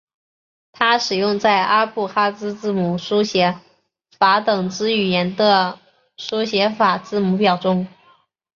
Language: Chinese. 它使用在阿布哈兹字母书写法等之语言的书写法字母表中。